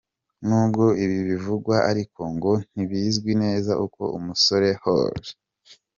Nubwo ibi bivugwa ariko ngo ntibizwi neza uko umusore Horst.